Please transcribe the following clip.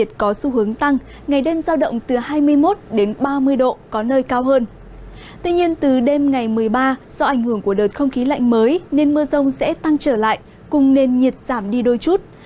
trong ngày một mươi ba do ảnh hưởng của đợt không khí lạnh mới nên mưa rông sẽ tăng trở lại cùng nền nhiệt giảm đi đôi chút